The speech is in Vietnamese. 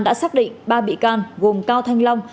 đã xác định ba bị can gồm cao thanh long